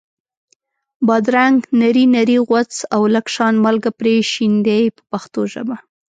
بادرنګ نري نري غوڅ او لږ شان مالګه پرې شیندئ په پښتو ژبه.